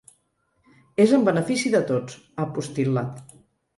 “És en benefici de tots”, ha postil·lat.